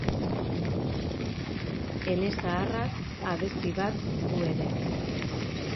Elezaharrak abesti bat du ere.